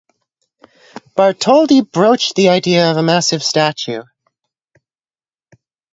Bartholdi broached the idea of a massive statue.